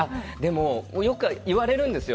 よく言われるんですよ。